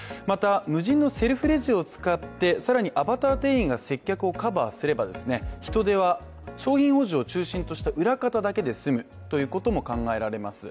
無人のセルフレジを使って、更にアバター店員が接客をカバーすれば人手は、商品補充を目的とした裏方だけで済むという利点があります。